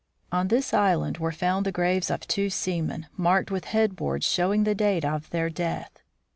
On this island were found the graves of two seamen marked with headboards showing the date of their death.